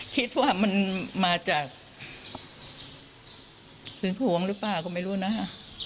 คิดว่ามันมาจากหึงหวงหรือเปล่าก็ไม่รู้นะคะ